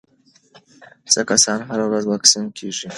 څه کسان هره ورځ واکسین کېږي؟